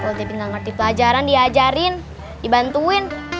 kalo debbie gak ngerti pelajaran diajarin dibantuin